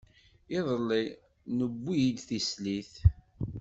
Iḍelli, newwi-d tislit.